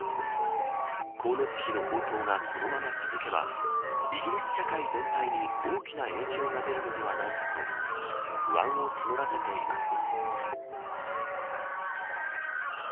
光熱費の高騰が、このまま続けばイギリス社会全体に大きな影響が出るのではないかと不安を募らせています。